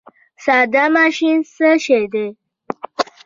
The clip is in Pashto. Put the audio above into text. ساده ماشین څه شی دی؟